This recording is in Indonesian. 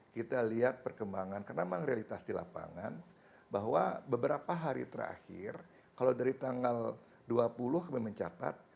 kita lihat perkembangan karena memang realitas di lapangan bahwa beberapa hari terakhir kalau dari tanggal dua puluh kami mencatat